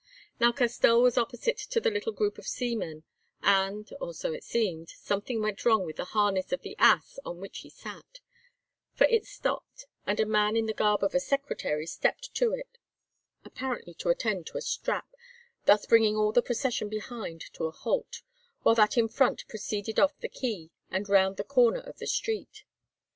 Now Castell was opposite to the little group of seamen, and, or so it seemed, something went wrong with the harness of the ass on which he sat, for it stopped, and a man in the garb of a secretary stepped to it, apparently to attend to a strap, thus bringing all the procession behind to a halt, while that in front proceeded off the quay and round the corner of a street.